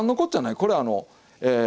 これあのえ